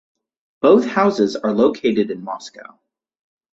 Both houses are located in Moscow.